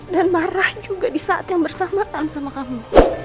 dan marah juga disaat yang bersamaan sama kamu